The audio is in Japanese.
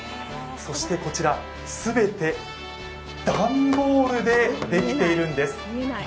そしてこちら、すべて段ボールでできているんです。